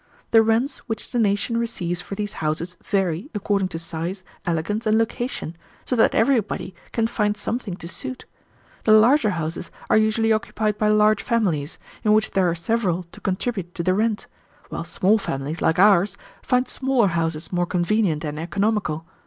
The rents which the nation receives for these houses vary, according to size, elegance, and location, so that everybody can find something to suit. The larger houses are usually occupied by large families, in which there are several to contribute to the rent; while small families, like ours, find smaller houses more convenient and economical.